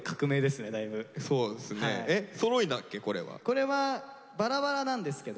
これはバラバラなんですけど。